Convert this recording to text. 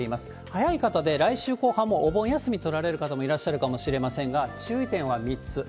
早い方で、来週後半もお盆休み取られる方もいらっしゃるかもしれませんが、注意点は３つ。